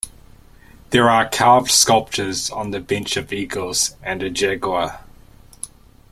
There are carved sculptures on the bench of eagles and a jaguar.